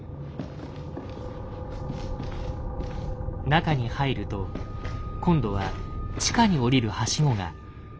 中に入ると今度は地下に降りるハシゴが。